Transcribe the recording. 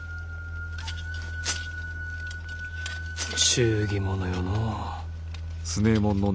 忠義者よのう。